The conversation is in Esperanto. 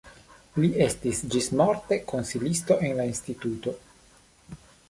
Li estis ĝismorte konsilisto en la instituto.